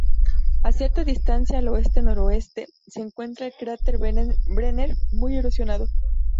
A cierta distancia al oeste-noroeste se encuentra el cráter Brenner muy erosionado.